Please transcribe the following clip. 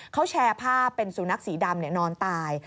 เขาแชร์ภาพเป็นสุนัขสีดำนอนตาย